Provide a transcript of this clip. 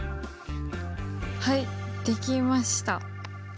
はいできました！